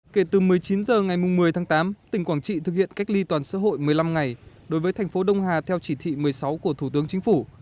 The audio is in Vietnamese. kể từ một mươi chín h ngày một mươi tháng tám tỉnh quảng trị thực hiện cách ly toàn xã hội một mươi năm ngày đối với thành phố đông hà theo chỉ thị một mươi sáu của thủ tướng chính phủ